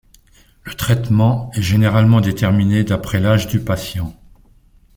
Le traitement est généralement déterminé d'après l'âge du patient.